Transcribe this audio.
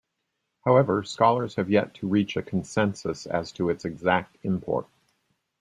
However, scholars have yet to reach a consensus as to its exact import.